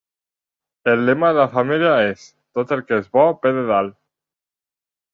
El lema de la família és 'Tot el que és bo ve de dalt'.